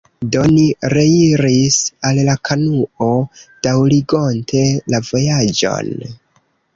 Do, ni reiris al la kanuo, daŭrigonte la vojaĝon.